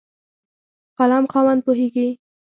قلم خاوند پوهېږي.